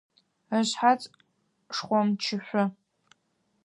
Ышъхьац шхъомчышъо.